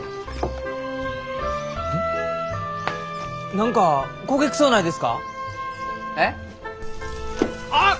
何か焦げ臭うないですか？えっ？あっ！